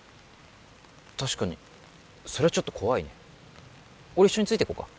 確かにそれちょっと怖いね俺一緒について行こうか？